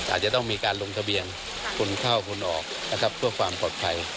อาจจะต้องมีการลงทะเบียนคนเข้าคนออกนะครับเพื่อความปลอดภัย